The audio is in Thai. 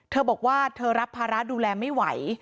เธอบอกว่าเธอรับภาระดูแลไม่ไหว